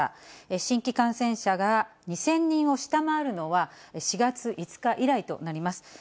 新規感染者が２０００人を下回るのは、４月５日以来となります。